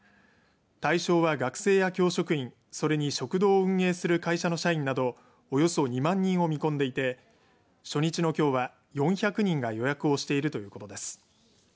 対象は学生や教職員それに食堂を運営する会社の社員などおよそ２万人を見込んでいて初日のきょうは４００人が予約をしているということです。